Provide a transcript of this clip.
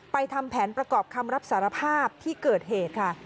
ทำแผนประกอบคำรับสารภาพที่เกิดเหตุค่ะ